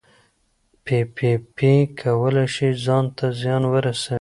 پي پي پي کولی شي ځان ته زیان ورسوي.